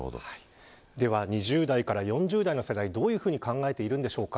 では、２０代から４０代の世代どういうふうに考えているんでしょうか。